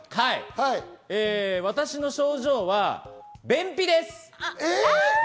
私の症状は便秘です。